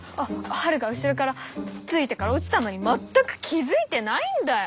晴が後ろからつっついたから落ちたのに全く気付いてないんだよ！